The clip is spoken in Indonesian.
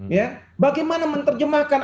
ya bagaimana menerjemahkan